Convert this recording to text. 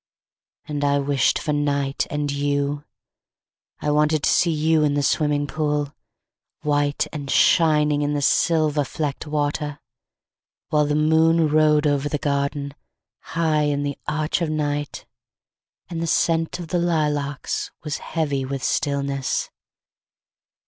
And I wished for night and you. I wanted to see you in the swimming pool, White and shining in the silver flecked water. While the moon rode over the garden, High in the arch of night, And the scent of the lilacs was heavy with stillness.